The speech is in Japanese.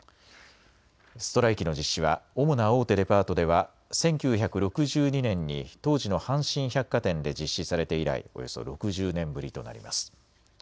ストライキの実施は主な大手デパートでは１９６２年に当時の阪神百貨店で実施されて以来、およそ６０年ぶりとなります。